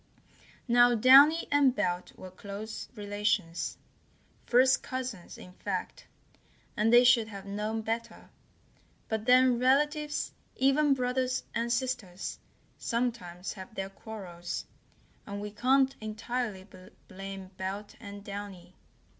Now Downy and Belt were close relations, first cousins, in fact, and they should have known better; but then relatives, even brothers and sisters, sometimes have their quarrels, and we can't entirely blame Belt and Downy.